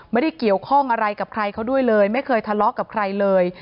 ไม่ได้เกี่ยวข้องอะไรกับใครเขาด้วยเลยไม่เคยทะเลาะกับใครเลย